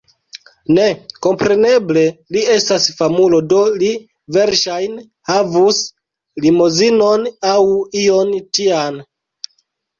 Ne... kompreneble, li estas famulo do li verŝajne havus limozinon aŭ ion tian